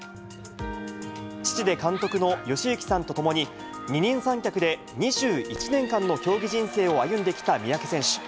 父で監督の義行さんと共に、二人三脚で２１年間の競技人生を歩んできた三宅選手。